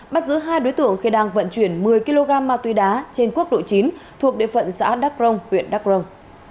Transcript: bắt giữ hai đối tượng khi đang vận chuyển một mươi kg ma tuy đá trên quốc độ chín thuộc địa phận xã đắc rông huyện đắc rông